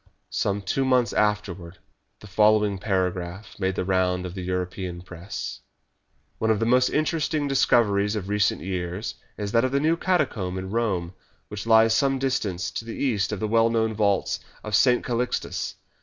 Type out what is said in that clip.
Some two months afterwards the following paragraph made the round of the European Press: "One of the most interesting discoveries of recent years is that of the new catacomb in Rome, which lies some distance to the east of the well known vaults of St. Calixtus.